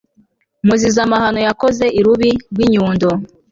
muziza amahano yakoze i rubi rw'i nyundo